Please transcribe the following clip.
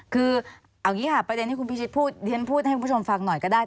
คือเอางี้ค่ะประเด็นที่คุณพีชิตพูดให้คุณผู้ชมฟังหน่อยก็ได้